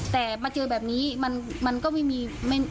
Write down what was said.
แต่มาเจอแบบนี้มันก็ไม่มี